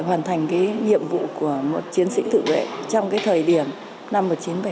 hoàn thành cái nhiệm vụ của một chiến sĩ tự vệ trong cái thời điểm năm một nghìn chín trăm bảy mươi